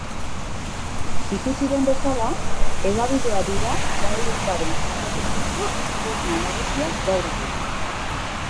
Ikusi den bezala, hedabideak dira gaelikoaren sustapenerako tresna nagusiak gaur egun.